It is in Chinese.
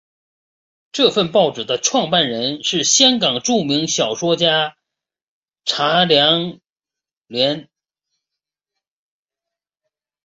这份报纸的创办人是香港著名小说家查良镛。